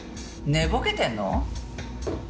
寝ぼけてんの？